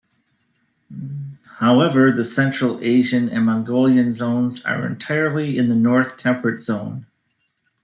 However, the Central Asian and Mongolian zones are entirely in the North Temperate Zone.